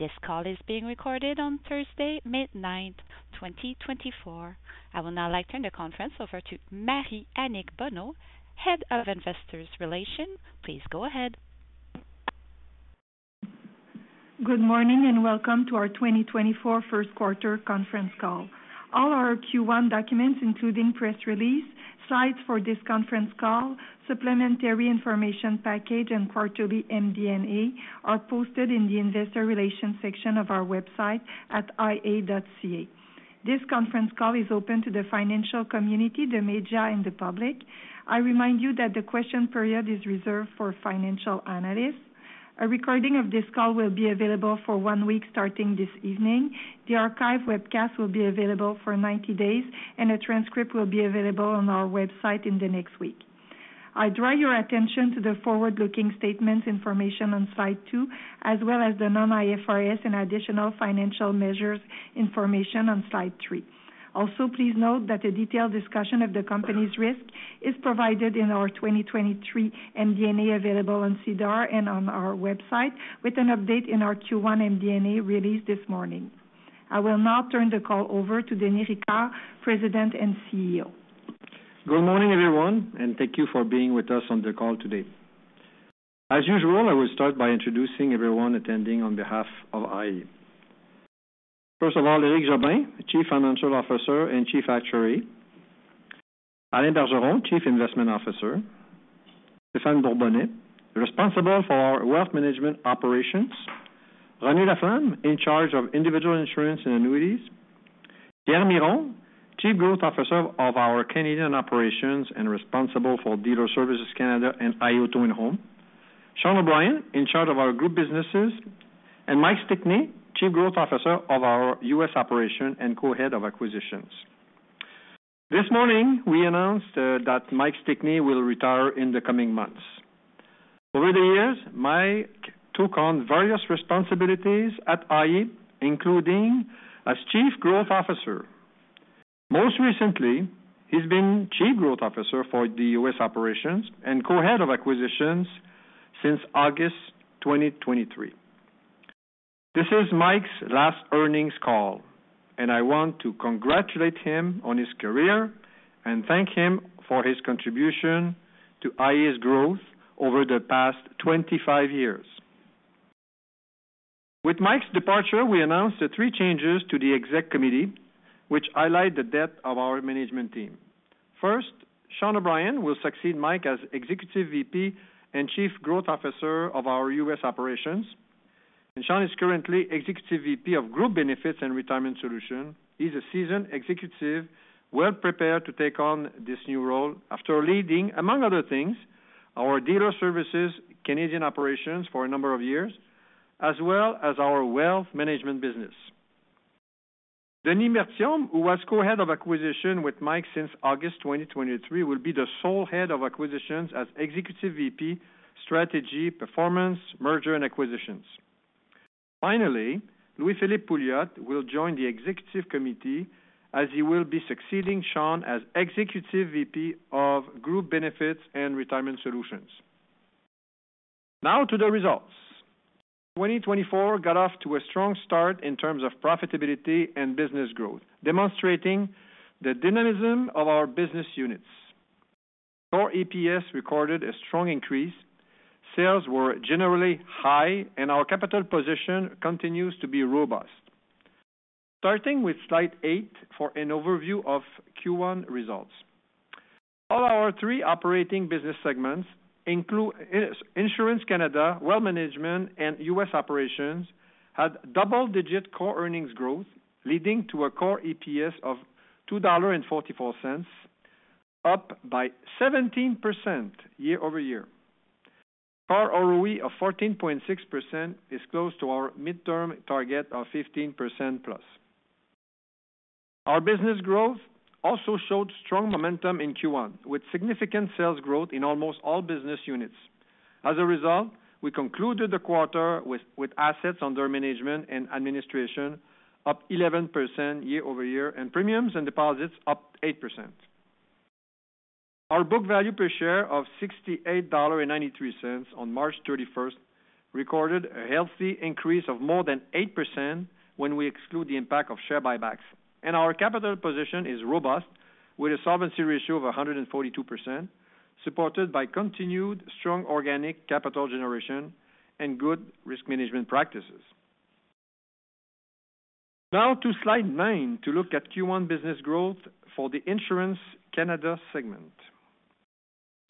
This call is being recorded on Thursday, midnight, 2024. I will now like turn the conference over to Marie-Annick Bonneau, Head of Investor Relations. Please go ahead. Good morning and welcome to our 2024 first quarter conference call. All our Q1 documents, including press release, slides for this conference call, supplementary information package, and quarterly MD&A, are posted in the Investor Relations section of our website at ia.ca. This conference call is open to the financial community, the media, and the public. I remind you that the question period is reserved for financial analysts. A recording of this call will be available for one week starting this evening. The archive webcast will be available for 90 days, and a transcript will be available on our website in the next week. I draw your attention to the forward-looking statements information on slide two, as well as the non-IFRS and additional financial measures information on slide three. Also, please note that a detailed discussion of the company's risk is provided in our 2023 MD&A available on SEDAR and on our website, with an update in our Q1 MD&A released this morning. I will now turn the call over to Denis Ricard, President and CEO. Good morning, everyone, and thank you for being with us on the call today. As usual, I will start by introducing everyone attending on behalf of iA. First of all, Éric Jobin, Chief Financial Officer and Chief Actuary, Alain Bergeron, Chief Investment Officer, Stephan Bourbonnais, responsible for Wealth Management Operations, Renée Laflamme, in charge of Individual Insurance and Annuities, Pierre Miron, Chief Growth Officer of our Canadian Operations and responsible for Dealer Services Canada and iA Auto & Home, Sean O'Brien, in charge of our Group Businesses, and Mike Stickney, Chief Growth Officer of our U.S. Operation and Co-Head of Acquisitions. This morning, we announced that Mike Stickney will retire in the coming months. Over the years, Mike took on various responsibilities at iA, including as Chief Growth Officer. Most recently, he's been Chief Growth Officer for the U.S. Operations and Co-Head of Acquisitions since August 2023. This is Mike's last earnings call, and I want to congratulate him on his career and thank him for his contribution to iA's growth over the past 25 years. With Mike's departure, we announced three changes to the Exec Committee, which highlight the depth of our management team. First, Sean O'Brien will succeed Mike as Executive VP and Chief Growth Officer of our U.S. Operations. Sean is currently Executive VP of Group Benefits and Retirement Solutions. He's a seasoned executive, well prepared to take on this new role after leading, among other things, our Dealer Services Canadian Operations for a number of years, as well as our Wealth Management Business. Denis Berthiaume, who was Co-Head of Acquisitions with Mike since August 2023, will be the sole Head of Acquisitions as Executive VP Strategy, Performance, Merger, and Acquisitions. Finally, Louis-Philippe Pouliot will join the Executive Committee, as he will be succeeding Sean as Executive VP of Group Benefits and Retirement Solutions. Now to the results. 2024 got off to a strong start in terms of profitability and business growth, demonstrating the dynamism of our business units. Core EPS recorded a strong increase, sales were generally high, and our capital position continues to be robust. Starting with slide eight for an overview of Q1 results. All our three operating business segments, including Insurance Canada, Wealth Management, and U.S. Operations, had double-digit core earnings growth, leading to a core EPS of 2.44 dollars, up by 17% year-over-year. Core ROE of 14.6% is close to our midterm target of 15%+. Our business growth also showed strong momentum in Q1, with significant sales growth in almost all business units. As a result, we concluded the quarter with assets under management and administration up 11% year-over-year, and premiums and deposits up 8%. Our book value per share of 68.93 dollars on March 31st recorded a healthy increase of more than 8% when we exclude the impact of share buybacks. Our capital position is robust, with a solvency ratio of 142%, supported by continued strong organic capital generation and good risk management practices. Now to slide nine to look at Q1 business growth for the Insurance Canada segment.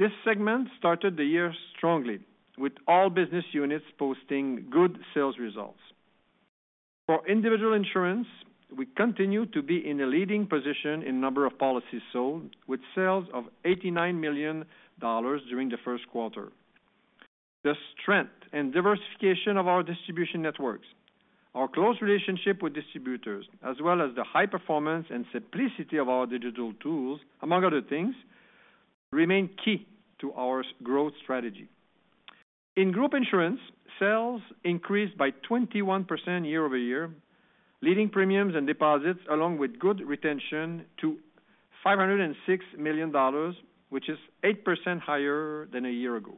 This segment started the year strongly, with all business units posting good sales results. For individual insurance, we continue to be in a leading position in number of policies sold, with sales of 89 million dollars during the first quarter. The strength and diversification of our distribution networks, our close relationship with distributors, as well as the high performance and simplicity of our digital tools, among other things, remain key to our growth strategy. In Group Insurance, sales increased by 21% year-over-year, leading premiums and deposits along with good retention to 506 million dollars, which is 8% higher than a year ago.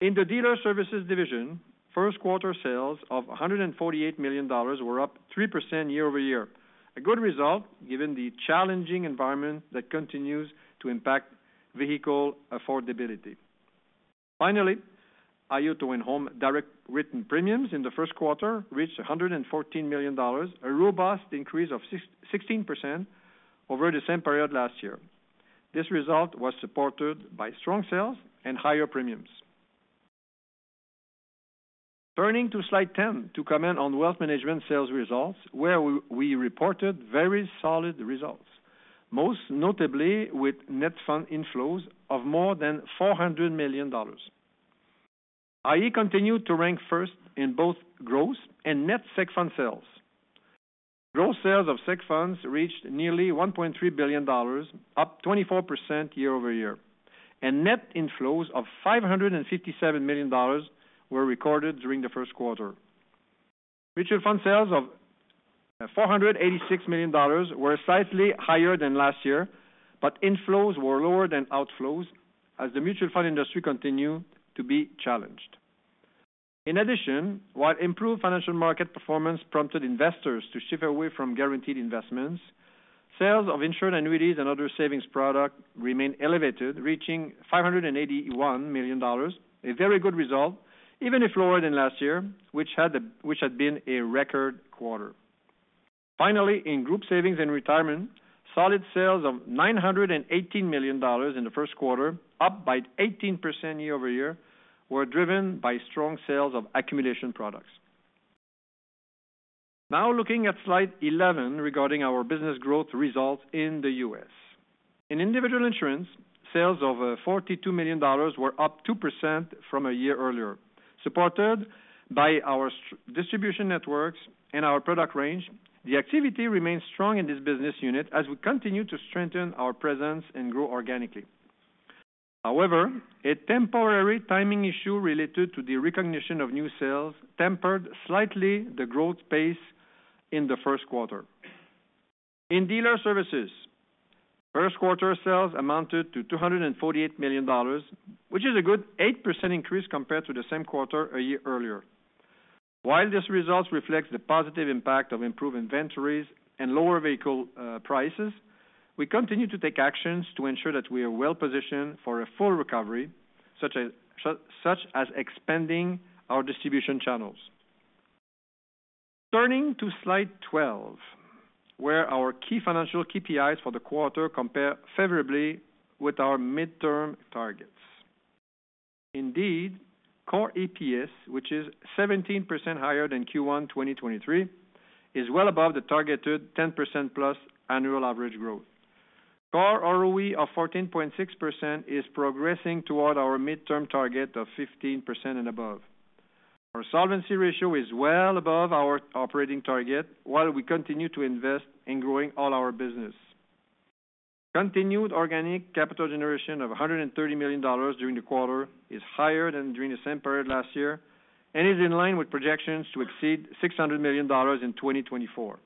In the Dealer Services division, first quarter sales of 148 million dollars were up 3% year-over-year, a good result given the challenging environment that continues to impact vehicle affordability. Finally, iA Auto & Home direct written premiums in the first quarter reached 114 million dollars, a robust increase of 16% over the same period last year. This result was supported by strong sales and higher premiums. Turning to slide 10 to comment on Wealth Management sales results, where we reported very solid results, most notably with net fund inflows of more than 400 million dollars. iA continued to rank first in both growth and net Seg fund sales. Growth sales of Seg funds reached nearly 1.3 billion dollars, up 24% year-over-year, and net inflows of 557 million dollars were recorded during the first quarter. Mutual fund sales of 486 million dollars were slightly higher than last year, but inflows were lower than outflows, as the mutual fund industry continued to be challenged. In addition, while improved financial market performance prompted investors to shift away from guaranteed investments, sales of insured annuities and other savings products remained elevated, reaching CAD 581 million, a very good result, even if lower than last year, which had been a record quarter. Finally, in Group Savings and Retirement, solid sales of 918 million dollars in the first quarter, up by 18% year-over-year, were driven by strong sales of Accumulation Products. Now looking at slide 11 regarding our business growth results in the U.S. In Individual Insurance, sales of $42 million were up 2% from a year earlier. Supported by our distribution networks and our product range, the activity remained strong in this business unit as we continue to strengthen our presence and grow organically. However, a temporary timing issue related to the recognition of new sales tempered slightly the growth pace in the first quarter. In Dealer Services, first quarter sales amounted to $248 million, which is a good 8% increase compared to the same quarter a year earlier. While these results reflect the positive impact of improved inventories and lower vehicle prices, we continue to take actions to ensure that we are well positioned for a full recovery, such as expanding our distribution channels. Turning to slide 12, where our key financial KPIs for the quarter compare favorably with our midterm targets. Indeed, core EPS, which is 17% higher than Q1 2023, is well above the targeted 10% plus annual average growth. Core ROE of 14.6% is progressing toward our midterm target of 15% and above. Our solvency ratio is well above our operating target while we continue to invest in growing all our business. Continued organic capital generation of 130 million dollars during the quarter is higher than during the same period last year and is in line with projections to exceed 600 million dollars in 2024.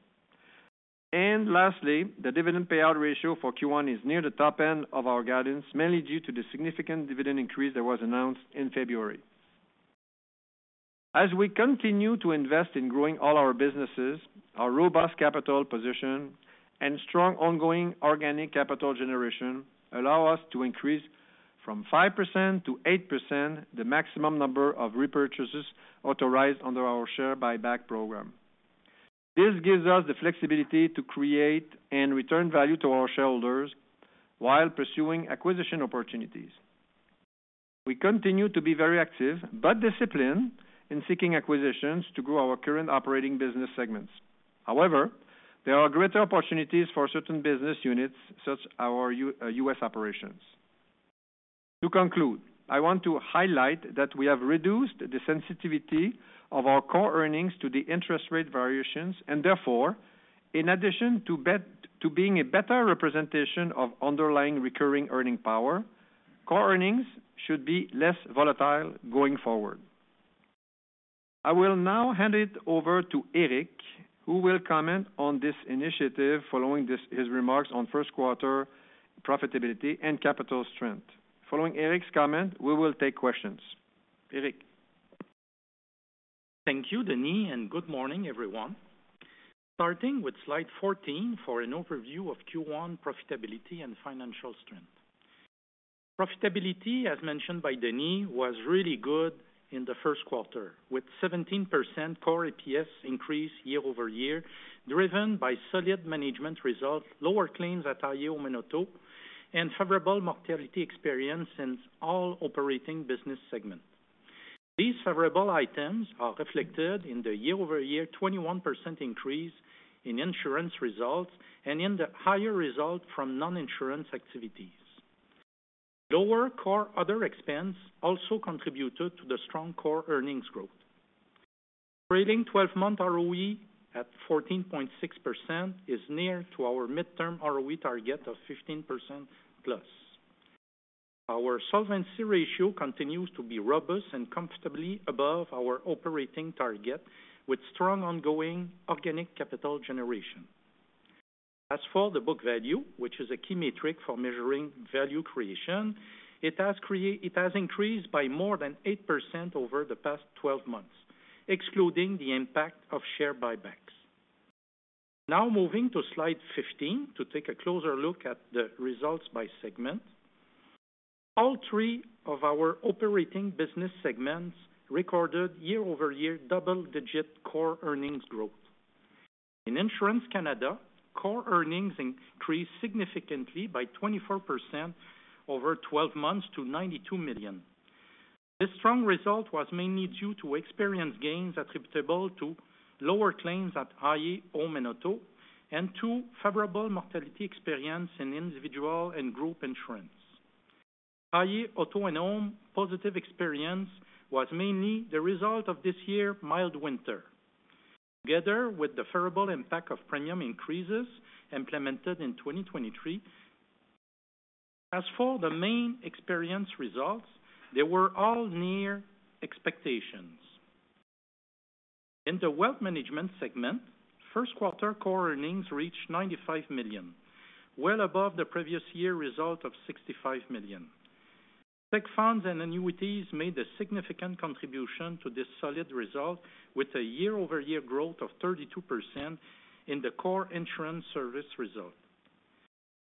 Lastly, the dividend payout ratio for Q1 is near the top end of our guidance, mainly due to the significant dividend increase that was announced in February. As we continue to invest in growing all our businesses, our robust capital position, and strong ongoing organic capital generation allow us to increase from 5% to 8% the maximum number of repurchases authorized under our share buyback program. This gives us the flexibility to create and return value to our shareholders while pursuing acquisition opportunities. We continue to be very active but disciplined in seeking acquisitions to grow our current operating business segments. However, there are greater opportunities for certain business units, such as our U.S. Operations. To conclude, I want to highlight that we have reduced the sensitivity of our core earnings to the interest rate variations and therefore, in addition to being a better representation of underlying recurring earning power, core earnings should be less volatile going forward. I will now hand it over to Éric, who will comment on this initiative following his remarks on first quarter profitability and capital strength. Following Éric's comment, we will take questions. Éric. Thank you, Denis, and good morning, everyone. Starting with slide 14 for an overview of Q1 profitability and financial strength. Profitability, as mentioned by Denis, was really good in the first quarter, with 17% core EPS increase year-over-year driven by solid management results, lower claims at iA Auto & Home, and favorable mortality experience in all operating business segments. These favorable items are reflected in the year-over-year 21% increase in insurance results and in the higher result from non-insurance activities. Lower core other expense also contributed to the strong core earnings growth. Operating 12-month ROE at 14.6% is near to our midterm ROE target of 15%+. Our solvency ratio continues to be robust and comfortably above our operating target, with strong ongoing organic capital generation. As for the book value, which is a key metric for measuring value creation, it has increased by more than 8% over the past 12 months, excluding the impact of share buybacks. Now moving to slide 15 to take a closer look at the results by segment. All three of our operating business segments recorded year-over-year double-digit core earnings growth. In Insurance Canada, core earnings increased significantly by 24% over 12 months to 92 million. This strong result was mainly due to experience gains attributable to lower claims at iA Auto & Home and to favorable mortality experience in individual and group insurance. iA Auto & Home positive experience was mainly the result of this year's mild winter, together with the favorable impact of premium increases implemented in 2023. As for the main experience results, they were all near expectations. In the wealth management segment, first quarter core earnings reached 95 million, well above the previous year's result of 65 million. Segregated funds and annuities made a significant contribution to this solid result, with a year-over-year growth of 32% in the core insurance service result.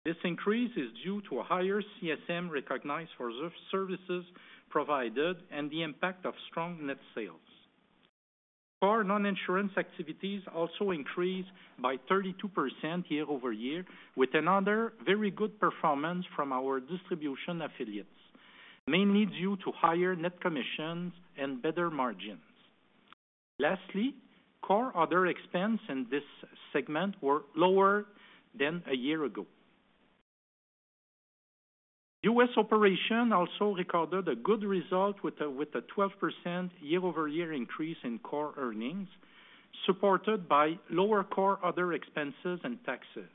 This increase is due to a higher CSM recognized for services provided and the impact of strong net sales. Core non-insurance activities also increased by 32% year-over-year, with another very good performance from our distribution affiliates, mainly due to higher net commissions and better margins. Lastly, core other expense in this segment were lower than a year ago. U.S. Operation also recorded a good result with a 12% year-over-year increase in core earnings, supported by lower core other expenses and taxes.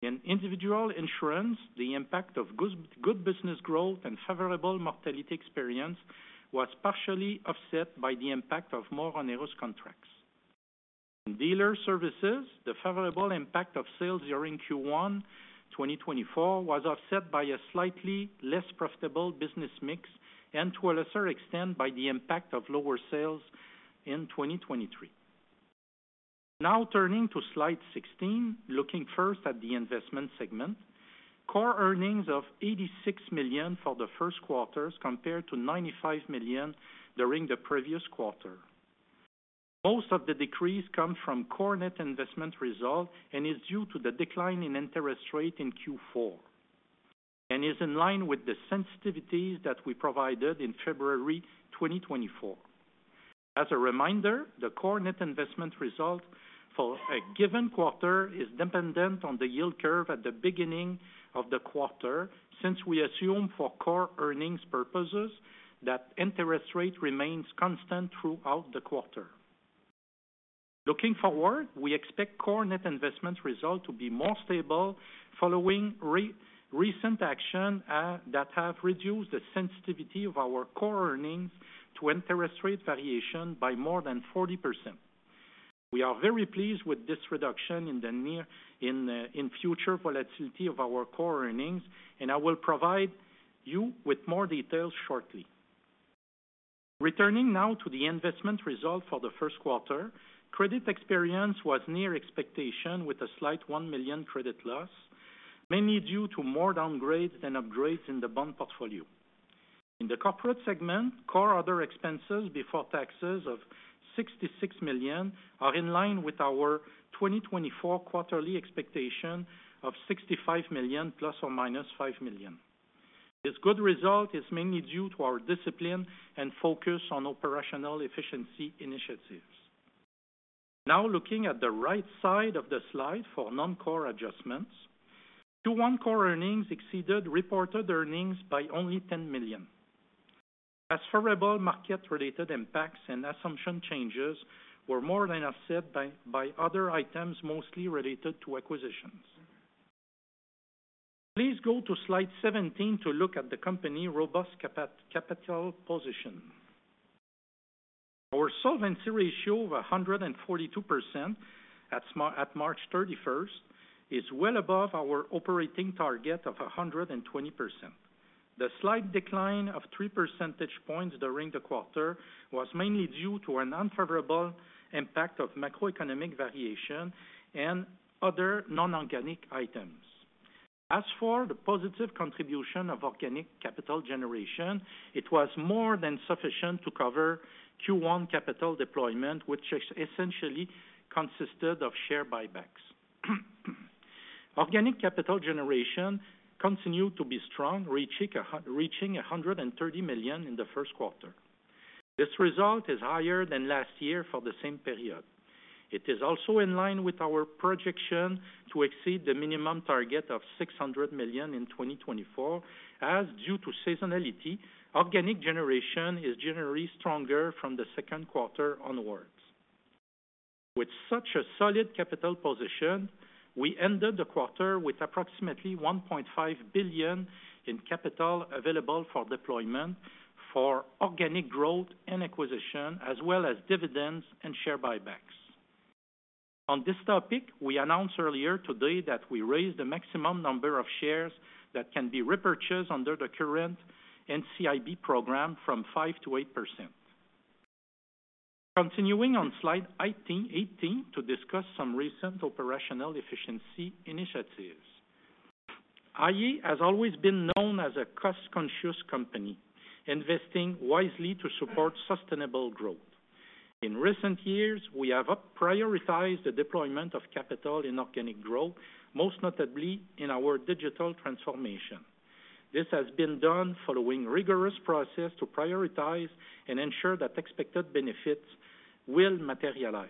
In Individual Insurance, the impact of good business growth and favorable mortality experience was partially offset by the impact of more onerous contracts. In Dealer Services, the favorable impact of sales during Q1 2024 was offset by a slightly less profitable business mix and to a lesser extent by the impact of lower sales in 2023. Now turning to slide 16, looking first at the Investment segment. Core earnings of 86 million for the first quarters compared to 95 million during the previous quarter. Most of the decrease comes from core net investment result and is due to the decline in interest rate in Q4 and is in line with the sensitivities that we provided in February 2024. As a reminder, the core net investment result for a given quarter is dependent on the yield curve at the beginning of the quarter, since we assume for core earnings purposes that interest rate remains constant throughout the quarter. Looking forward, we expect core net investment result to be more stable following recent actions that have reduced the sensitivity of our core earnings to interest rate variation by more than 40%. We are very pleased with this reduction in future volatility of our core earnings, and I will provide you with more details shortly. Returning now to the investment result for the first quarter. Credit experience was near expectation, with a slight 1 million credit loss, mainly due to more downgrades than upgrades in the bond portfolio. In the Corporate segment, core other expenses before taxes of 66 million are in line with our 2024 quarterly expectation of 65 million plus or minus 5 million. This good result is mainly due to our discipline and focus on operational efficiency initiatives. Now looking at the right side of the slide for non-core adjustments. Q1 core earnings exceeded reported earnings by only 10 million. As favorable market-related impacts and assumption changes were more than assessed by other items mostly related to acquisitions. Please go to slide 17 to look at the company robust capital position. Our solvency ratio of 142% at March 31st is well above our operating target of 120%. The slight decline of three percentage points during the quarter was mainly due to an unfavorable impact of macroeconomic variation and other non-organic items. As for the positive contribution of organic capital generation, it was more than sufficient to cover Q1 capital deployment, which essentially consisted of share buybacks. Organic capital generation continued to be strong, reaching 130 million in the first quarter. This result is higher than last year for the same period. It is also in line with our projection to exceed the minimum target of 600 million in 2024, as due to seasonality, organic generation is generated stronger from the second quarter onwards. With such a solid capital position, we ended the quarter with approximately 1.5 billion in capital available for deployment for organic growth and acquisition, as well as dividends and share buybacks. On this topic, we announced earlier today that we raised the maximum number of shares that can be repurchased under the current NCIB program from 5% to 8%. Continuing on slide 18 to discuss some recent operational efficiency initiatives. iA has always been known as a cost-conscious company, investing wisely to support sustainable growth. In recent years, we have prioritized the deployment of capital in organic growth, most notably in our digital transformation. This has been done following a rigorous process to prioritize and ensure that expected benefits will materialize.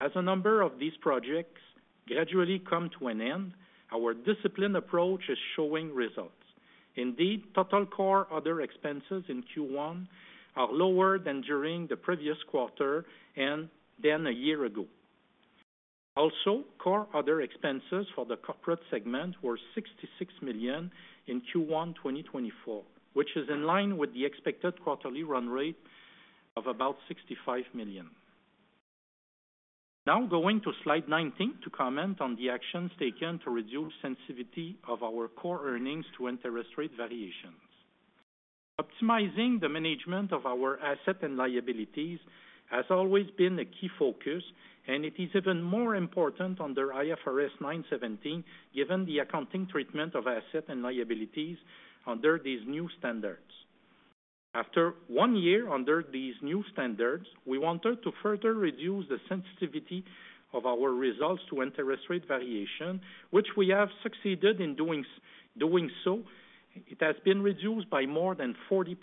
As a number of these projects gradually come to an end, our disciplined approach is showing results. Indeed, total core other expenses in Q1 are lower than during the previous quarter and than a year ago. Also, core other expenses for the Corporate segment were 66 million in Q1 2024, which is in line with the expected quarterly run rate of about 65 million. Now going to slide 19 to comment on the actions taken to reduce sensitivity of our core earnings to interest rate variations. Optimizing the management of our assets and liabilities has always been a key focus, and it is even more important under IFRS 9/17 given the accounting treatment of assets and liabilities under these new standards. After one year under these new standards, we wanted to further reduce the sensitivity of our results to interest rate variation, which we have succeeded in doing so. It has been reduced by more than 40%,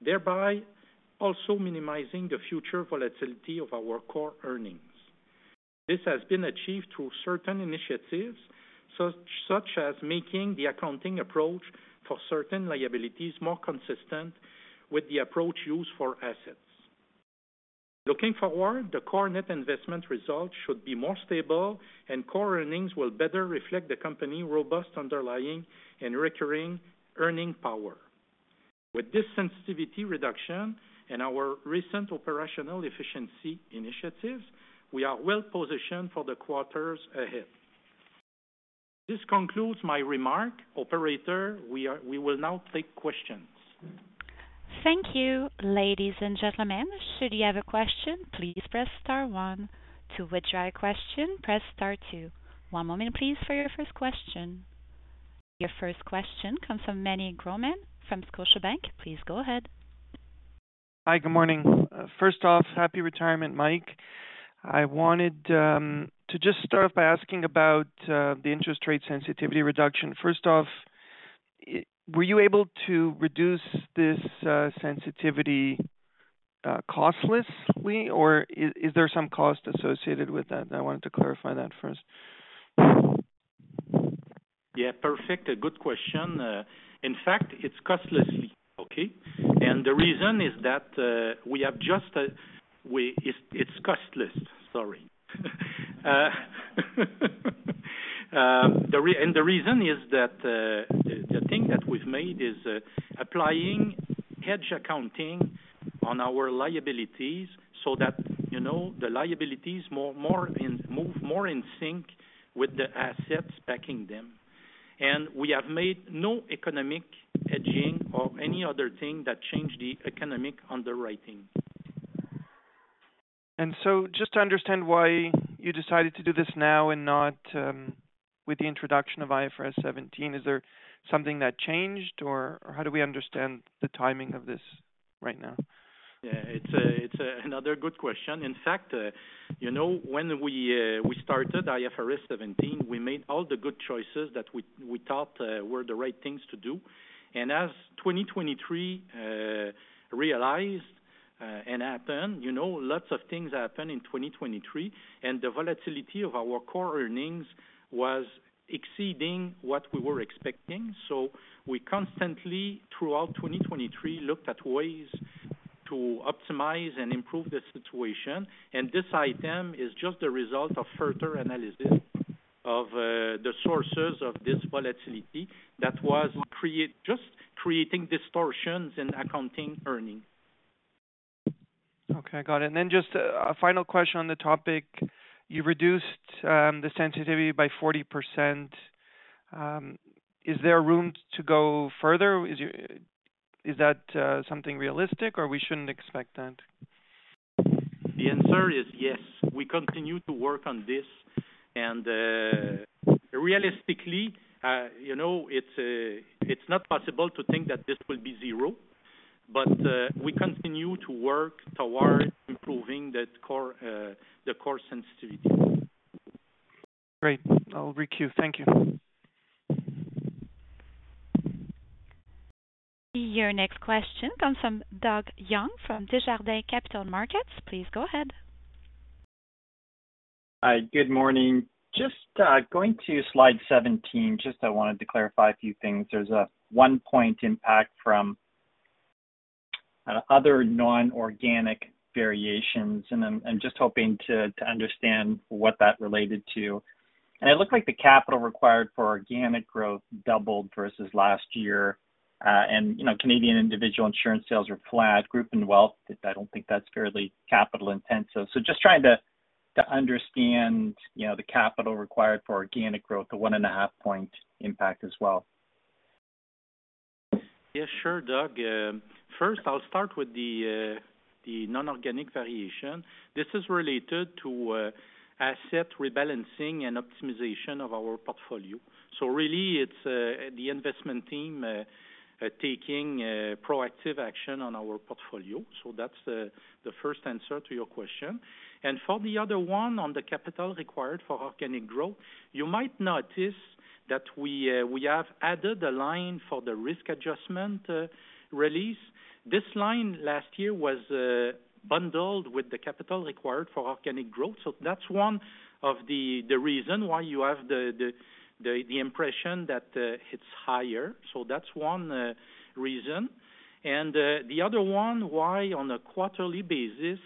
thereby also minimizing the future volatility of our core earnings. This has been achieved through certain initiatives, such as making the accounting approach for certain liabilities more consistent with the approach used for assets. Looking forward, the core net investment result should be more stable, and core earnings will better reflect the company's robust underlying and recurring earning power. With this sensitivity reduction and our recent operational efficiency initiatives, we are well positioned for the quarters ahead. This concludes my remark. Operator, we will now take questions. Thank you, ladies and gentlemen. Should you have a question, please press star one. To withdraw a question, press star two. One moment, please, for your first question. Your first question comes from Meny Grauman from Scotiabank. Please go ahead. Hi. Good morning. First off, happy retirement, Mike. I wanted to just start off by asking about the interest rate sensitivity reduction. First off, were you able to reduce this sensitivity costlessly, or is there some cost associated with that? I wanted to clarify that first. Yeah. Perfect. Good question. In fact, it's costless, okay? And the reason is that it's costless. Sorry. And the reason is that the thing that we've made is applying hedge accounting on our liabilities so that the liabilities move more in sync with the assets backing them. And we have made no economic hedging or any other thing that changed the economic underwriting. So just to understand why you decided to do this now and not with the introduction of IFRS 17, is there something that changed, or how do we understand the timing of this right now? Yeah. It's another good question. In fact, when we started IFRS 17, we made all the good choices that we thought were the right things to do. As 2023 realized and happened, lots of things happened in 2023, and the volatility of our core earnings was exceeding what we were expecting. We constantly, throughout 2023, looked at ways to optimize and improve the situation. This item is just the result of further analysis of the sources of this volatility that was just creating distortions in accounting earning. Okay. Got it. And then just a final question on the topic. You reduced the sensitivity by 40%. Is there room to go further? Is that something realistic, or we shouldn't expect that? The answer is yes. We continue to work on this. Realistically, it's not possible to think that this will be zero, but we continue to work toward improving the core sensitivity. Great. I'll resume. Thank you. Your next question comes from Doug Young from Desjardins Capital Markets. Please go ahead. Hi. Good morning. Just going to slide 17. Just, I wanted to clarify a few things. There's a one-point impact from other non-organic variations, and I'm just hoping to understand what that related to. It looked like the capital required for organic growth doubled versus last year, and Canadian individual insurance sales were flat. Group and wealth, I don't think that's fairly capital-intensive. So just trying to understand the capital required for organic growth, the one and a half-point impact as well. Yeah. Sure, Doug. First, I'll start with the non-organic variation. This is related to asset rebalancing and optimization of our portfolio. So really, it's the investment team taking proactive action on our portfolio. So that's the first answer to your question. And for the other one on the capital required for organic growth, you might notice that we have added a line for the risk adjustment release. This line last year was bundled with the capital required for organic growth. So that's one of the reasons why you have the impression that it's higher. So that's one reason. And the other one why on a quarterly basis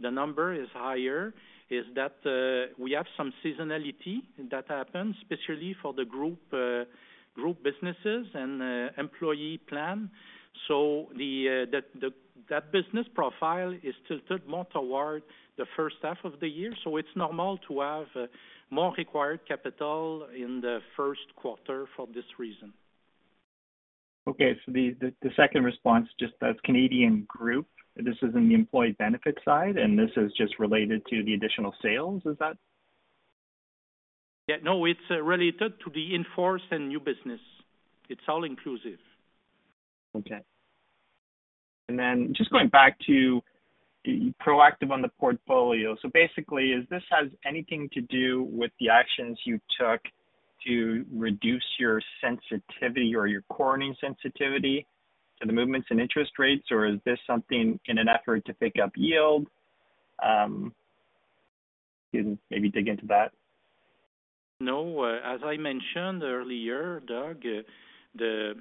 the number is higher is that we have some seasonality that happens, especially for the group businesses and employee plan. So that business profile is tilted more toward the first half of the year. It's normal to have more required capital in the first quarter for this reason. Okay. So the second response, just that's Canadian group. This is in the employee benefit side, and this is just related to the additional sales. Is that? Yeah. No. It's related to the in-force and new business. It's all-inclusive. Okay. And then just going back to proactive on the portfolio. So basically, is this has anything to do with the actions you took to reduce your sensitivity or your core earnings sensitivity to the movements in interest rates, or is this something in an effort to pick up yield? Excuse me. Maybe dig into that. No. As I mentioned earlier, Doug, the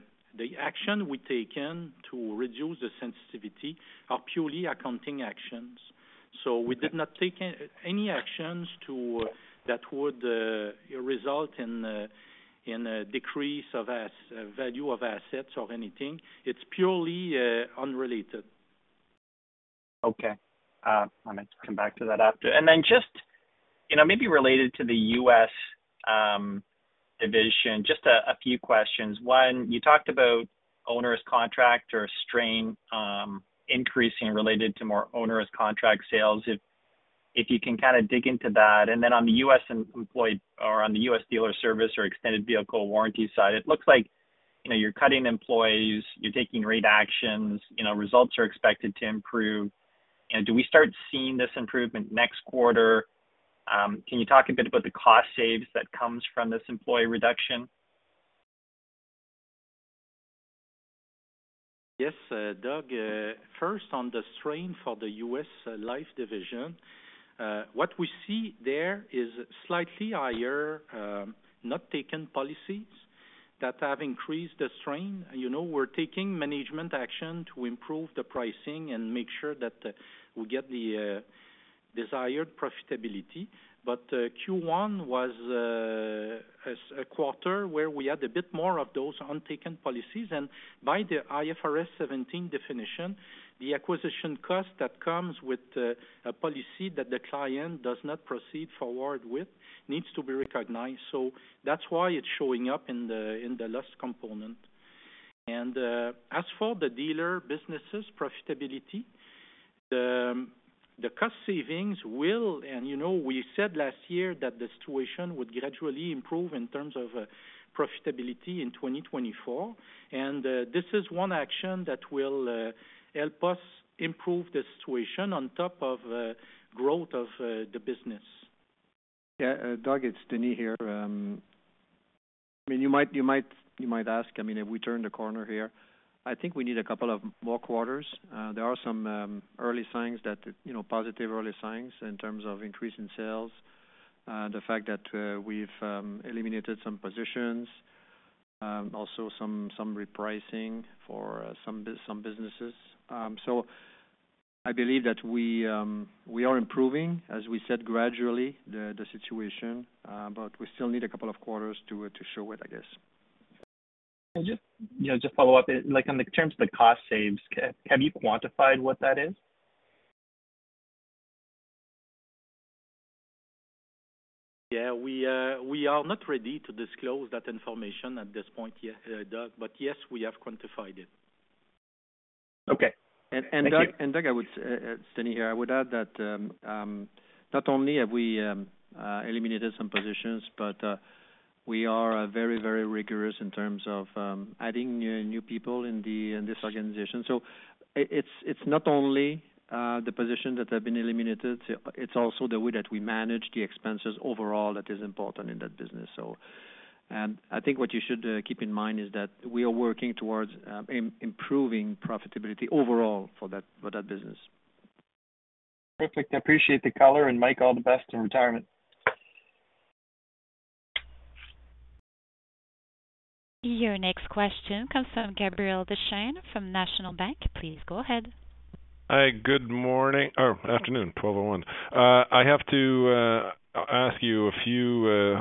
actions we took to reduce the sensitivity are purely accounting actions. So we did not take any actions that would result in a decrease of value of assets or anything. It's purely unrelated. Okay. I'll come back to that after. And then just maybe related to the U.S. division, just a few questions. One, you talked about onerous contract or strain increasing related to more onerous contract sales, if you can kind of dig into that. And then on the U.S. employee or on the U.S. dealer service or extended vehicle warranty side, it looks like you're cutting employees, you're taking rate actions, results are expected to improve. Do we start seeing this improvement next quarter? Can you talk a bit about the cost saves that comes from this employee reduction? Yes, Doug. First, on the strain for the U.S. life division, what we see there is slightly higher not-taken policies that have increased the strain. We're taking management action to improve the pricing and make sure that we get the desired profitability. But Q1 was a quarter where we had a bit more of those untaken policies. And by the IFRS 17 definition, the acquisition cost that comes with a policy that the client does not proceed forward with needs to be recognized. So that's why it's showing up in the loss component. And as for the dealer businesses' profitability, the cost savings will and we said last year that the situation would gradually improve in terms of profitability in 2024. And this is one action that will help us improve the situation on top of growth of the business. Yeah. Doug, it's Denis here. I mean, you might ask, I mean, have we turned the corner here? I think we need a couple of more quarters. There are some early signs that positive early signs in terms of increase in sales, the fact that we've eliminated some positions, also some repricing for some businesses. So I believe that we are improving, as we said, gradually, the situation. But we still need a couple of quarters to show it, I guess. Yeah. Just follow up. In terms of the cost savings, have you quantified what that is? Yeah. We are not ready to disclose that information at this point yet, Doug. But yes, we have quantified it. Okay. And Doug, it's Denis here. I would add that not only have we eliminated some positions, but we are very, very rigorous in terms of adding new people in this organization. So it's not only the positions that have been eliminated. It's also the way that we manage the expenses overall that is important in that business. And I think what you should keep in mind is that we are working towards improving profitability overall for that business. Perfect. I appreciate the color. Mike, all the best in retirement. Your next question comes from Gabriel Dechaine from National Bank. Please go ahead. Hi. Good morning or afternoon, 12:01 P.M. I have to ask you a few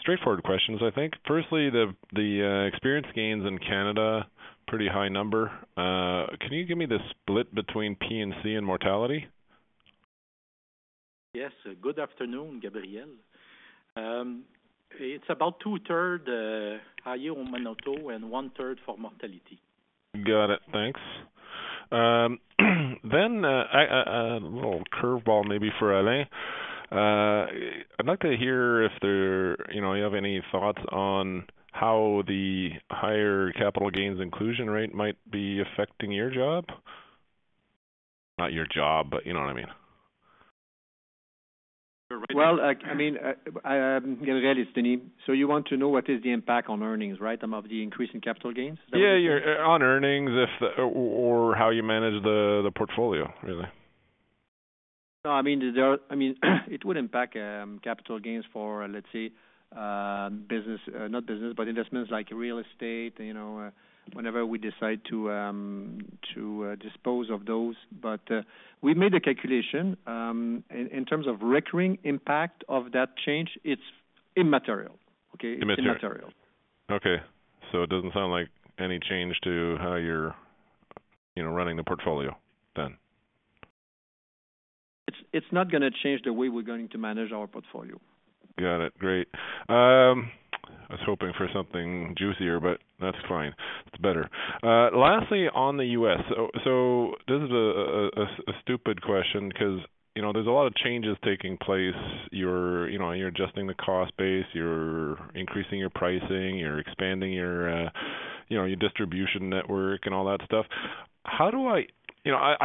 straightforward questions, I think. Firstly, the experience gains in Canada, pretty high number. Can you give me the split between P&C and mortality? Yes. Good afternoon, Gabriel. It's about two-thirds higher on morbidity and one-third for mortality. Got it. Thanks. Then a little curveball maybe for Alain. I'd like to hear if you have any thoughts on how the higher capital gains inclusion rate might be affecting your job. Not your job, but you know what I mean. Well, I mean, Gabriel, it's Denis. So you want to know what is the impact on earnings, right, of the increase in capital gains? Yeah. On earnings or how you manage the portfolio, really. No. I mean, it would impact capital gains for, let's say, business not business, but investments like real estate, whenever we decide to dispose of those. But we made a calculation. In terms of recurring impact of that change, it's immaterial, okay? Immaterial. Immaterial. Okay. So it doesn't sound like any change to how you're running the portfolio then? It's not going to change the way we're going to manage our portfolio. Got it. Great. I was hoping for something juicier, but that's fine. It's better. Lastly, on the U.S. This is a stupid question because there's a lot of changes taking place. You're adjusting the cost base. You're increasing your pricing. You're expanding your distribution network and all that stuff. How do I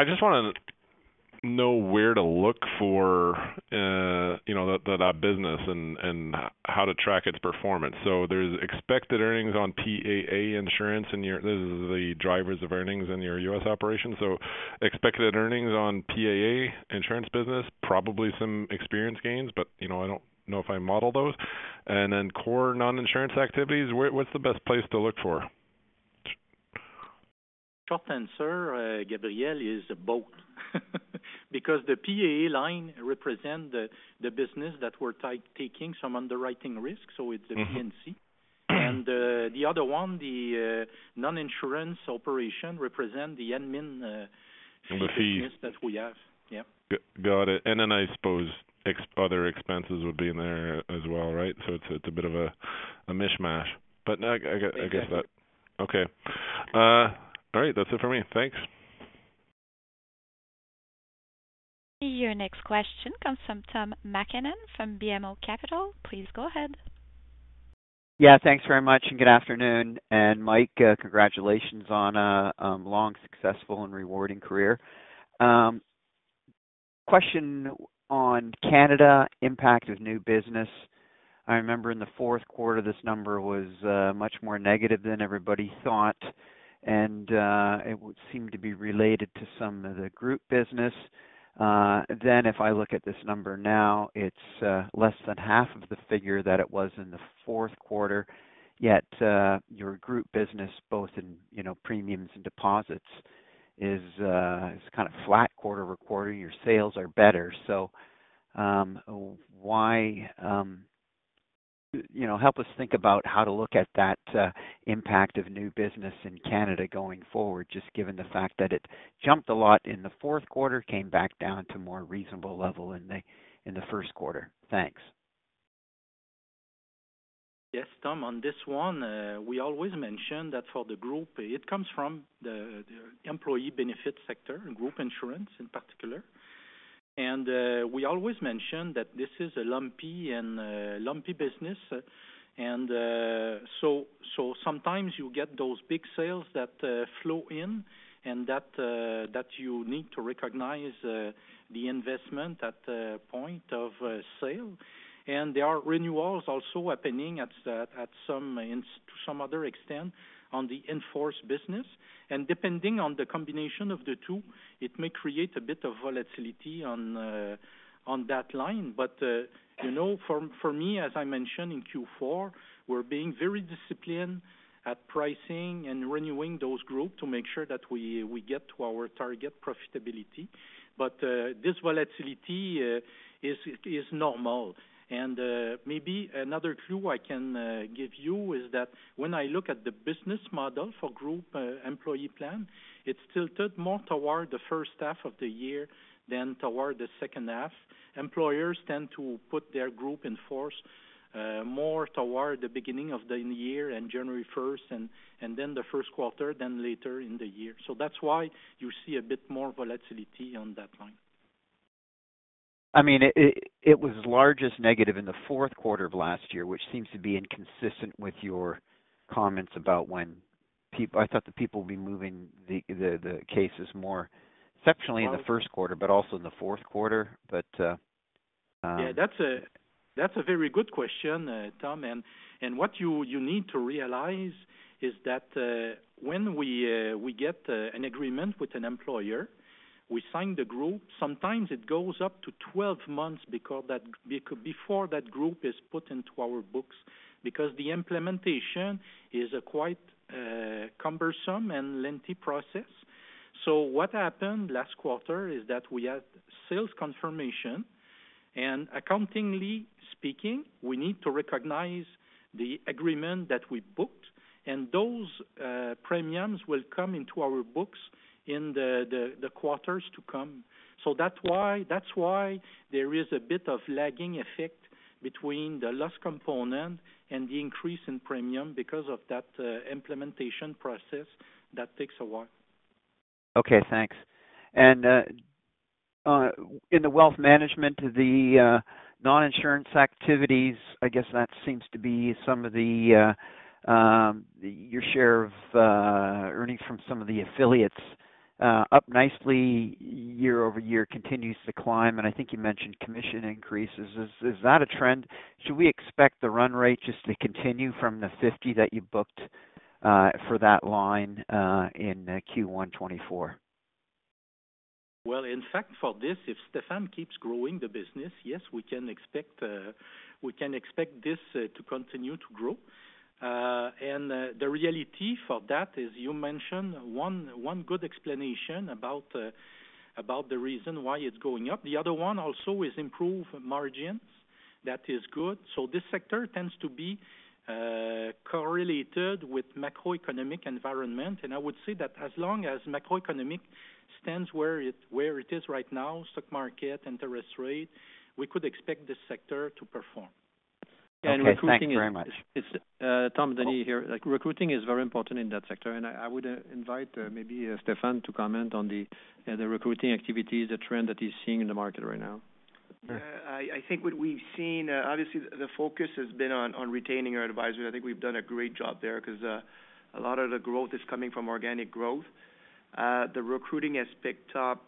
just want to know where to look for that business and how to track its performance. There's expected earnings on PAA insurance. This is the drivers of earnings in your U.S. Operations. Expected earnings on PAA insurance business, probably some experience gains, but I don't know if I model those. Then core non-insurance activities, what's the best place to look for? Short answer, Gabriel, is both because the PAA line represents the business that we're taking some underwriting risk. So it's the P&C. And the other one, the non-insurance operation, represents the admin. Number fees. Business that we have. Yeah. Got it. And then I suppose other expenses would be in there as well, right? So it's a bit of a mishmash. But I guess that. Yeah. Okay. All right. That's it for me. Thanks. Your next question comes from Tom MacKinnon from BMO Capital. Please go ahead. Yeah. Thanks very much and good afternoon. And Mike, congratulations on a long, successful, and rewarding career. Question on Canada impact of new business. I remember in the fourth quarter, this number was much more negative than everybody thought, and it seemed to be related to some of the group business. Then if I look at this number now, it's less than half of the figure that it was in the fourth quarter. Yet your group business, both in premiums and deposits, is kind of flat quarter-over-quarter. Your sales are better. So help us think about how to look at that impact of new business in Canada going forward, just given the fact that it jumped a lot in the fourth quarter, came back down to more reasonable level in the first quarter. Thanks. Yes, Tom. On this one, we always mention that for the group, it comes from the employee benefit sector, group insurance in particular. We always mention that this is a lumpy business. So sometimes you get those big sales that flow in, and that you need to recognize the investment at point of sale. There are renewals also happening to some other extent on the in-force business. Depending on the combination of the two, it may create a bit of volatility on that line. For me, as I mentioned in Q4, we're being very disciplined at pricing and renewing those groups to make sure that we get to our target profitability. This volatility is normal. Maybe another clue I can give you is that when I look at the business model for group employee plan, it's tilted more toward the first half of the year than toward the second half. Employers tend to put their group in force more toward the beginning of the year and January 1st and then the first quarter than later in the year. So that's why you see a bit more volatility on that line. I mean, it was largest negative in the fourth quarter of last year, which seems to be inconsistent with your comments about when I thought that people would be moving the cases more exceptionally in the first quarter, but also in the fourth quarter. But. Yeah. That's a very good question, Tom. And what you need to realize is that when we get an agreement with an employer, we sign the group, sometimes it goes up to 12 months before that group is put into our books because the implementation is quite cumbersome and lengthy process. So what happened last quarter is that we had sales confirmation. And accountingly speaking, we need to recognize the agreement that we booked. And those premiums will come into our books in the quarters to come. So that's why there is a bit of lagging effect between the loss component and the increase in premium because of that implementation process that takes a while. Okay. Thanks. In the wealth management, the non-insurance activities, I guess that seems to be some of your share of earnings from some of the affiliates up nicely year-over-year, continues to climb. I think you mentioned commission increases. Is that a trend? Should we expect the run rate just to continue from the 50 that you booked for that line in Q1 2024? Well, in fact, for this, if Stephan keeps growing the business, yes, we can expect this to continue to grow. And the reality for that is you mentioned one good explanation about the reason why it's going up. The other one also is improved margins. That is good. So this sector tends to be correlated with macroeconomic environment. And I would say that as long as macroeconomic stands where it is right now, stock market and interest rate, we could expect this sector to perform. And recruiting. Okay. Thanks very much. Tom, Denis here. Recruiting is very important in that sector. I would invite maybe Stephan to comment on the recruiting activities, the trend that he's seeing in the market right now. Yeah. I think what we've seen, obviously, the focus has been on retaining our advisors. I think we've done a great job there because a lot of the growth is coming from organic growth. The recruiting has picked up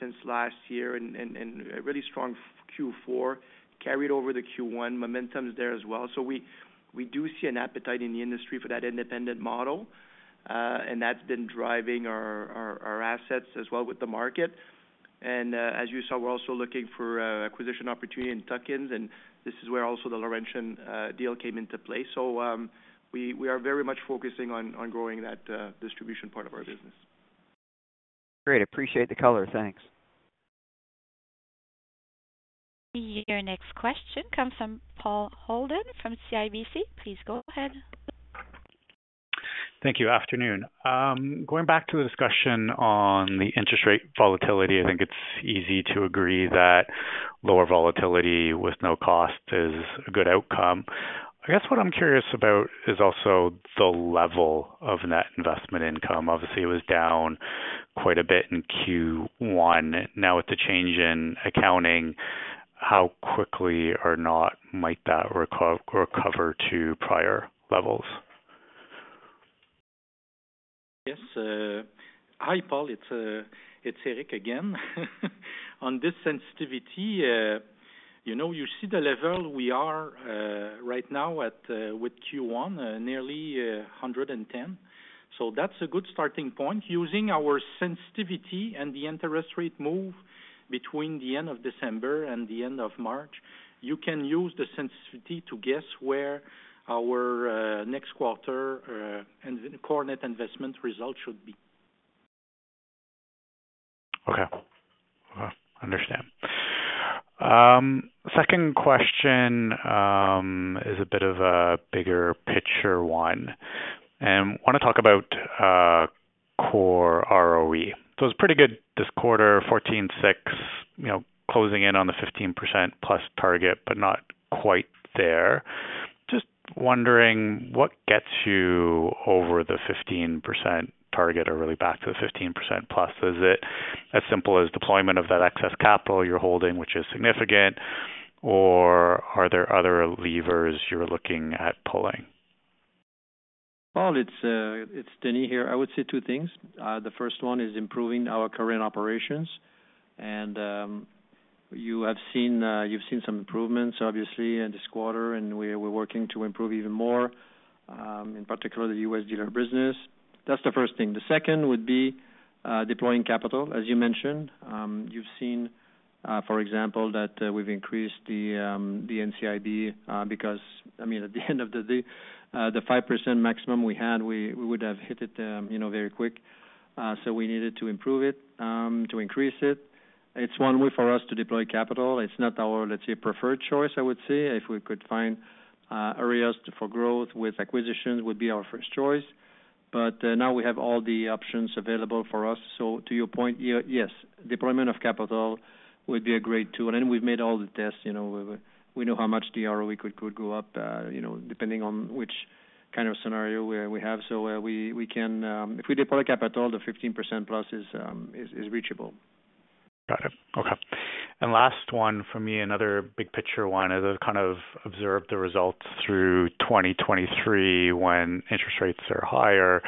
since last year in a really strong Q4, carried over the Q1. Momentum is there as well. So we do see an appetite in the industry for that independent model. And that's been driving our assets as well with the market. And as you saw, we're also looking for acquisition opportunity in tuck-ins. And this is where also the Laurentian deal came into play. So we are very much focusing on growing that distribution part of our business. Great. Appreciate the color. Thanks. Your next question comes from Paul Holden from CIBC. Please go ahead. Thank you. Afternoon. Going back to the discussion on the interest rate volatility, I think it's easy to agree that lower volatility with no cost is a good outcome. I guess what I'm curious about is also the level of net investment income. Obviously, it was down quite a bit in Q1. Now with the change in accounting, how quickly or not might that recover to prior levels? Yes. Hi, Paul. It's Éric again. On this sensitivity, you see the level we are right now with Q1, nearly 110. So that's a good starting point. Using our sensitivity and the interest rate move between the end of December and the end of March, you can use the sensitivity to guess where our next quarter core net investment result should be. Okay. Understand. Second question is a bit of a bigger picture one. And I want to talk about core ROE. So it was pretty good this quarter, 14.6%, closing in on the 15%-plus target, but not quite there. Just wondering what gets you over the 15% target or really back to the 15%+. Is it as simple as deployment of that excess capital you're holding, which is significant, or are there other levers you're looking at pulling? Paul, it's Denis here. I would say two things. The first one is improving our current operations. You've seen some improvements, obviously, in this quarter, and we're working to improve even more, in particular, the U.S. dealer business. That's the first thing. The second would be deploying capital. As you mentioned, you've seen, for example, that we've increased the NCIB because, I mean, at the end of the day, the 5% maximum we had, we would have hit it very quick. We needed to improve it, to increase it. It's one way for us to deploy capital. It's not our, let's say, preferred choice, I would say. If we could find areas for growth with acquisitions, it would be our first choice. Now we have all the options available for us. To your point, yes, deployment of capital would be a great tool. Then we've made all the tests. We know how much the ROE could go up depending on which kind of scenario we have. If we deploy capital, the 15%+ is reachable. Got it. Okay. And last one from me, another big picture one. As I've kind of observed the results through 2023 when interest rates are higher,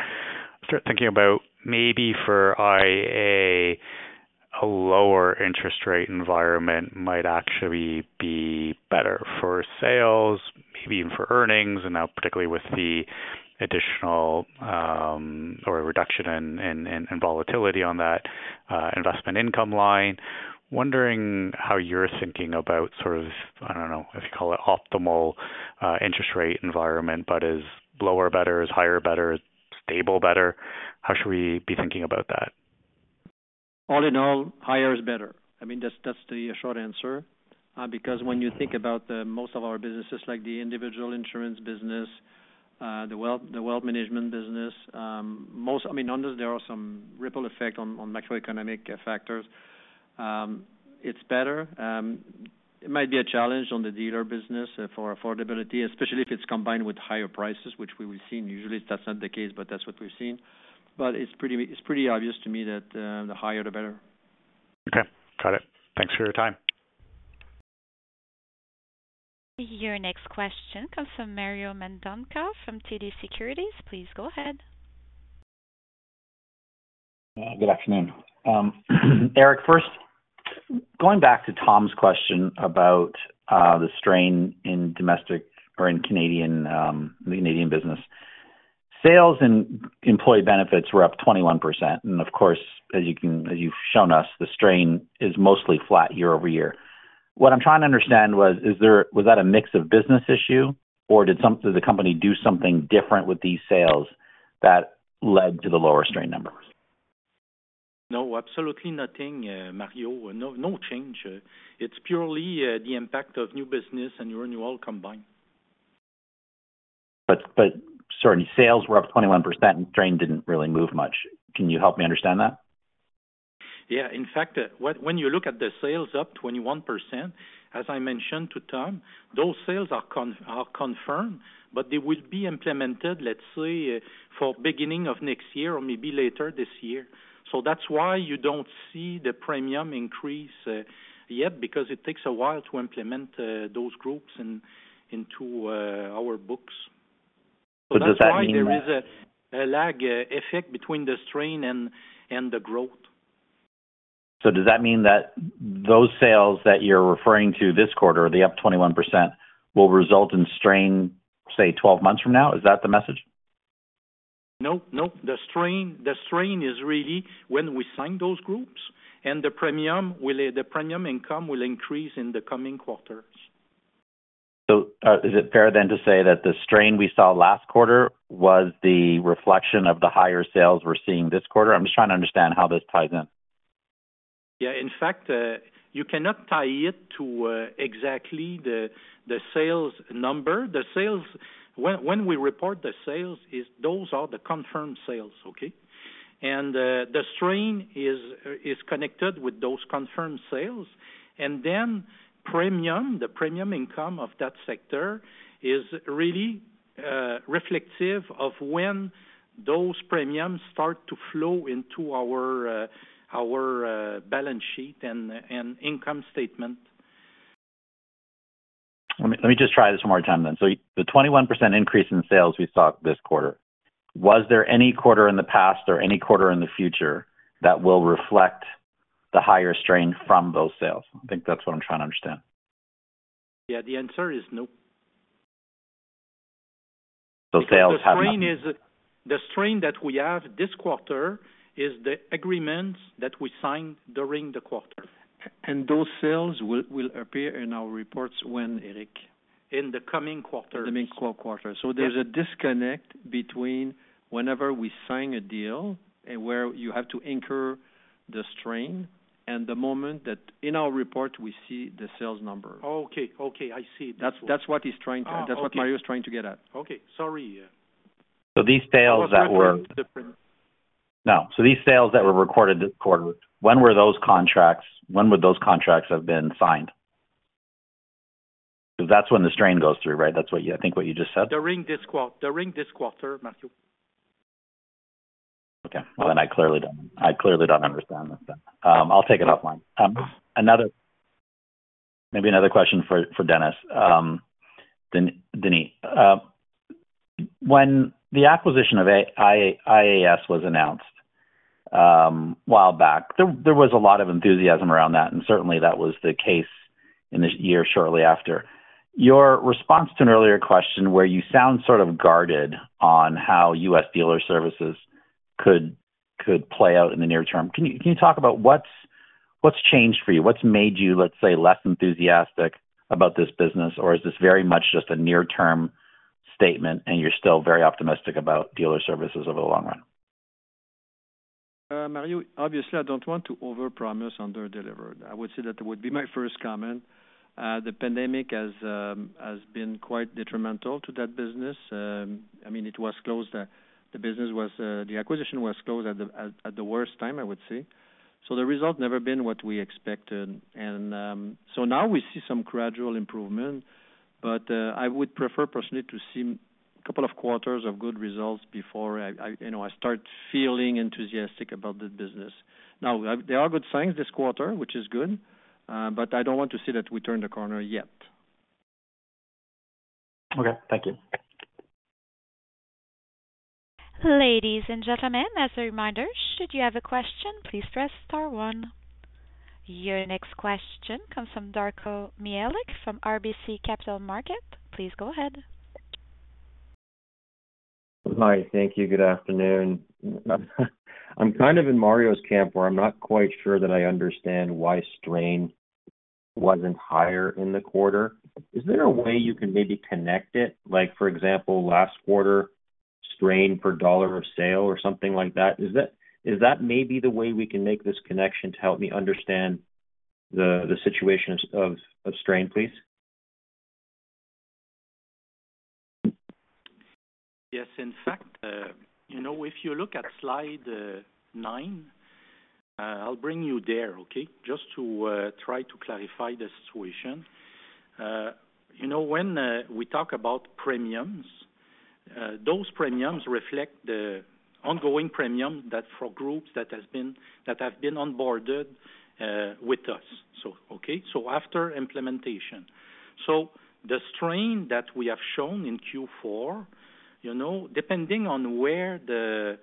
thinking about maybe for iA, a lower interest rate environment might actually be better for sales, maybe even for earnings, and now particularly with the additional reduction in volatility on that investment income line. Wondering how you're thinking about sort of, I don't know if you call it optimal interest rate environment, but is lower better, is higher better, is stable better? How should we be thinking about that? All in all, higher is better. I mean, that's the short answer because when you think about most of our businesses, like the Individual Insurance business, the Wealth Management business, I mean, there are some ripple effects on macroeconomic factors. It's better. It might be a challenge on the Dealer Services business for affordability, especially if it's combined with higher prices, which we will see. Usually, that's not the case, but that's what we've seen. But it's pretty obvious to me that the higher, the better. Okay. Got it. Thanks for your time. Your next question comes from Mario Mendonca from TD Securities. Please go ahead. Good afternoon. Éric, first, going back to Tom's question about the strain in Canadian business, sales and employee benefits were up 21%. Of course, as you've shown us, the strain is mostly flat year-over-year. What I'm trying to understand was, was that a mix of business issue, or did the company do something different with these sales that led to the lower strain numbers? No, absolutely nothing, Mario. No change. It's purely the impact of new business and renewal combined. Certainly, sales were up 21% and strain didn't really move much. Can you help me understand that? Yeah. In fact, when you look at the sales up 21%, as I mentioned to Tom, those sales are confirmed, but they will be implemented, let's say, for beginning of next year or maybe later this year. So that's why you don't see the premium increase yet because it takes a while to implement those groups into our books. So that's why there is a lag effect between the strain and the growth. Does that mean that those sales that you're referring to this quarter, the up 21%, will result in strain, say, 12 months from now? Is that the message? Nope. Nope. The strain is really when we sign those groups, and the premium income will increase in the coming quarters. Is it fair then to say that the strain we saw last quarter was the reflection of the higher sales we're seeing this quarter? I'm just trying to understand how this ties in. Yeah. In fact, you cannot tie it to exactly the sales number. When we report the sales, those are the confirmed sales, okay? And the strain is connected with those confirmed sales. And then premium, the premium income of that sector, is really reflective of when those premiums start to flow into our balance sheet and income statement. Let me just try this one more time then. So the 21% increase in sales we saw this quarter, was there any quarter in the past or any quarter in the future that will reflect the higher strain from those sales? I think that's what I'm trying to understand. Yeah. The answer is no. Sales have not. The strain that we have this quarter is the agreements that we signed during the quarter. Those sales will appear in our reports when, Éric? In the coming quarter. In the coming quarter. There's a disconnect between whenever we sign a deal and where you have to anchor the strain and the moment that, in our report, we see the sales numbers. Oh, okay. Okay. I see. That's what. That's what Mario is trying to get at. Okay. Sorry. So these sales that were. No. So these sales that were recorded this quarter, when were those contracts, when would those contracts have been signed? Because that's when the strain goes through, right? That's what I think what you just said. During this quarter, Mario. Okay. Well, then I clearly don't understand this then. I'll take it offline. Maybe another question for Denis. Denis, when the acquisition of IAS was announced a while back, there was a lot of enthusiasm around that. And certainly, that was the case in this year shortly after. Your response to an earlier question where you sound sort of guarded on how U.S. dealer services could play out in the near term, can you talk about what's changed for you? What's made you, let's say, less enthusiastic about this business? Or is this very much just a near-term statement, and you're still very optimistic about dealer services over the long run? Mario, obviously, I don't want to overpromise under-delivered. I would say that would be my first comment. The pandemic has been quite detrimental to that business. I mean, it was closed. The acquisition was closed at the worst time, I would say. So the result has never been what we expected. And so now we see some gradual improvement. But I would prefer, personally, to see a couple of quarters of good results before I start feeling enthusiastic about this business. Now, there are good signs this quarter, which is good. But I don't want to see that we turn the corner yet. Okay. Thank you. Ladies and gentlemen, as a reminder, should you have a question, please press star one. Your next question comes from Darko Mihelic from RBC Capital Markets. Please go ahead. Hi. Thank you. Good afternoon. I'm kind of in Mario's camp where I'm not quite sure that I understand why strain wasn't higher in the quarter. Is there a way you can maybe connect it? For example, last quarter, strain per dollar of sale or something like that. Is that maybe the way we can make this connection to help me understand the situation of strain, please? Yes. In fact, if you look at slide nine, I'll bring you there, okay, just to try to clarify the situation. When we talk about premiums, those premiums reflect the ongoing premium that for groups that have been onboarded with us, okay, so after implementation. So the strain that we have shown in Q4, depending on where the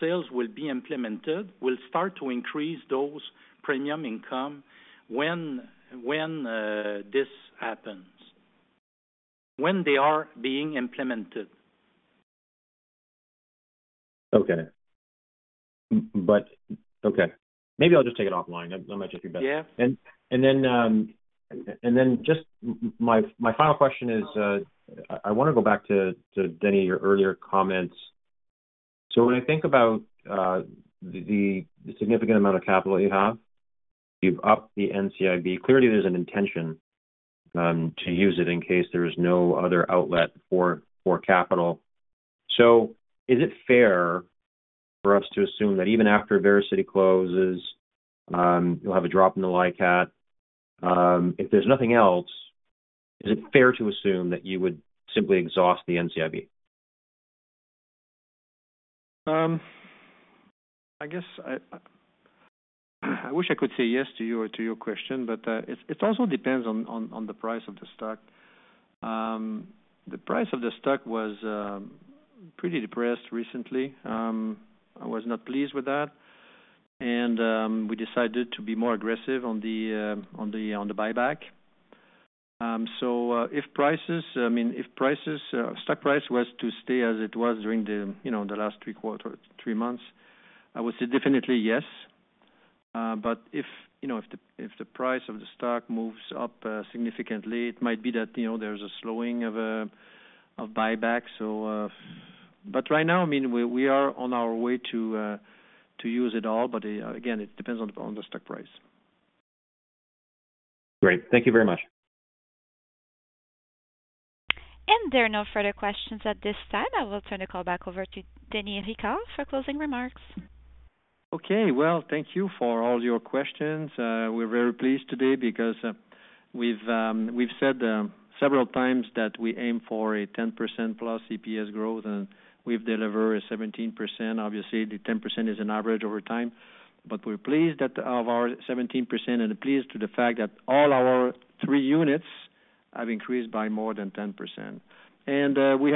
sales will be implemented, will start to increase those premium income when this happens, when they are being implemented. Okay. Okay. Maybe I'll just take it offline. That might just be better. And then just my final question is, I want to go back to, Denis, your earlier comments. So when I think about the significant amount of capital you have, you've upped the NCIB. Clearly, there's an intention to use it in case there is no other outlet for capital. So is it fair for us to assume that even after Vericity closes, you'll have a drop in the LICAT? If there's nothing else, is it fair to assume that you would simply exhaust the NCIB? I wish I could say yes to your question, but it also depends on the price of the stock. The price of the stock was pretty depressed recently. I was not pleased with that. We decided to be more aggressive on the buyback. If prices, I mean, if stock price was to stay as it was during the last three months, I would say definitely yes. If the price of the stock moves up significantly, it might be that there's a slowing of buyback. Right now, I mean, we are on our way to use it all. Again, it depends on the stock price. Great. Thank you very much. There are no further questions at this time. I will turn the call back over to Denis Ricard for closing remarks. Okay. Well, thank you for all your questions. We're very pleased today because we've said several times that we aim for a 10%+ EPS growth, and we've delivered a 17%. Obviously, the 10% is an average over time. But we're pleased of our 17% and pleased to the fact that all our three units have increased by more than 10%. And we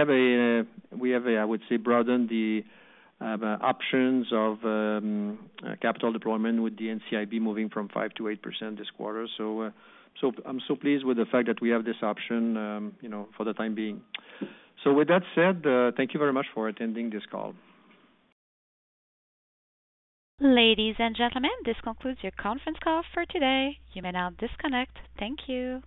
have, I would say, broadened the options of capital deployment with the NCIB moving from 5% to 8% this quarter. So I'm so pleased with the fact that we have this option for the time being. So with that said, thank you very much for attending this call. Ladies and gentlemen, this concludes your conference call for today. You may now disconnect. Thank you.